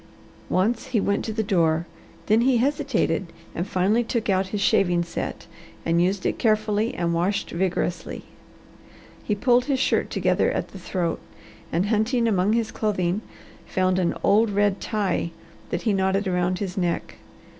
Once he went to the door, then he hesitated, and finally took out his shaving set and used it carefully and washed vigorously. He pulled his shirt together at the throat, and hunting among his clothing, found an old red tie that he knotted around his neck.